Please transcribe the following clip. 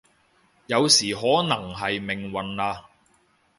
有時可能係命運啦